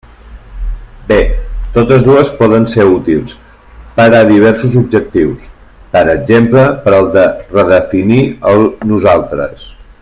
Bé, totes dues poden ser útils per a diversos objectius, per exemple per al de redefinir el "nosaltres".